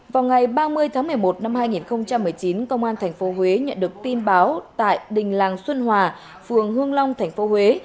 vào ngày ba mươi tháng một mươi một năm hai nghìn một mươi chín công an thành phố huế nhận được tin báo tại đình làng xuân hòa phường hương long thành phố huế